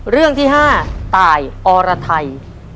เรื่องที่๕ตายอรไทย